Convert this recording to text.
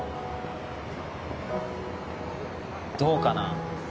どうかな。